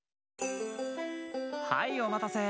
はいおまたせ！